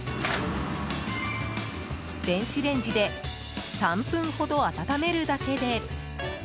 電子レンジで３分ほど温めるだけで。